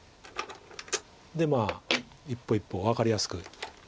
で一歩一歩分かりやすく。